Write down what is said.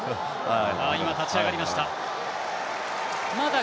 今、立ち上がりました。